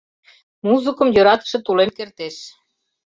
Музыкым йӧратыше тулен кертеш.